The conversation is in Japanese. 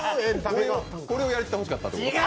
これをやってほしかったんですか？